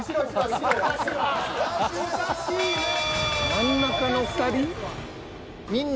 ［真ん中の２人？］